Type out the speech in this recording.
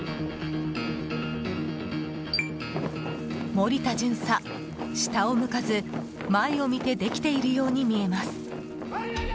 森田巡査、下を向かず前を見てできているように見えます。